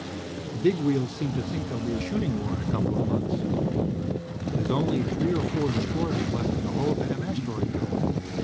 "The Big Wheels seem to think there'll be a shooting war in a couple of months. There's only three or four destroyers left in the whole damn Asteroid Belt.